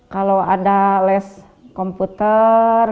kalau ada les komputer